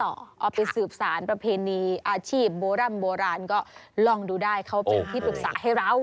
เอาไปสืบสารประเพณีอาชีพโบร่ำโบราณก็ลองดูได้เขาเป็นที่ปรึกษาให้เรา